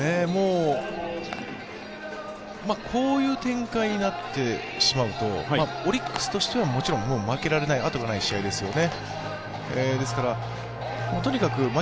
こういう展開になってしまうと、オリックスとしてはもちろん負けられない、後がない試合ですよね。